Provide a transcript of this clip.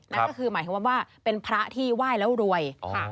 นั่นก็คือหมายความว่าเป็นพระที่ไหว้แล้วรวย